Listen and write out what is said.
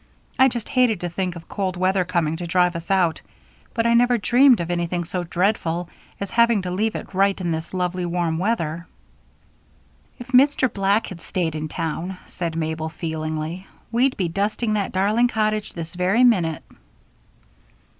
I just hated to think of cold weather coming to drive us out; but I never dreamed of anything so dreadful as having to leave it right in this lovely warm weather." "If Mr. Black had stayed in town," said Mabel, feelingly, "we'd be dusting that darling cottage this very minute."